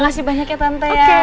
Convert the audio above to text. masih banyak ya tante ya